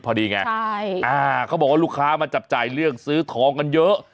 พอดีไงใช่อ่าเขาบอกว่าลูกค้ามาจับจ่ายเรื่องซื้อทองกันเยอะ